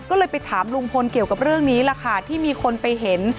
ก็เลยไปถามลุงพลเกี่ยวกับเรื่องนี้แหละค่ะที่มีคนไปเห็น